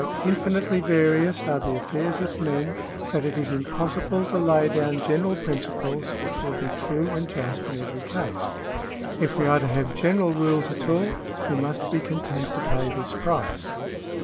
24 CIVIL LAW [§ 10 infinitely various are the affairs of men, that it is impossible to lay down general principles which will be true and just in every case. If we are to have general rules at all, we must be content to pay this price.